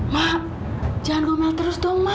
mak jangan gue mal terus dong mak